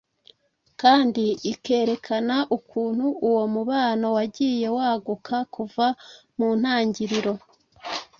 kandi ikerekana ukuntu uwo mubano wagiye waguka kuva mu Ntangiriro.